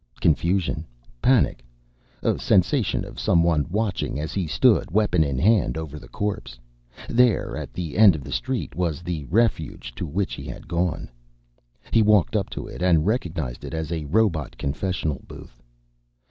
Confusion. Panic. A sensation of someone watching as he stood, weapon in hand, over the corpse. There, at the end of the street, was the refuge to which he had gone. He walked up to it, and recognized it as a robot confessional booth.